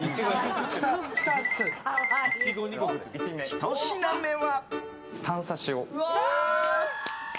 １品目は。